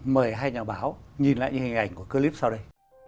mời hai nhà báo nhìn lại những hình ảnh của clip sau đây